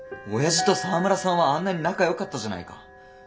親父と沢村さんはあんなに仲よかったじゃないか。